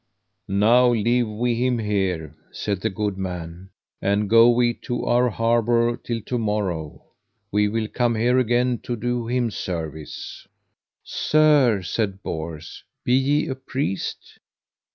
Now leave we him here, said the good man, and go we to our harbour till to morrow; we will come here again to do him service. Sir, said Bors, be ye a priest?